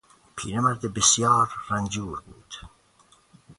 پیرمرد بسیار رنجور بود.